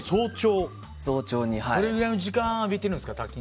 どれくらいの時間浴びてるんですか？